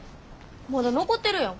まだ残ってるやん。